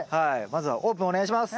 まずはオープンお願いします。